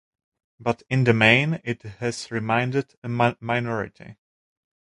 But in the main it has remained a minority.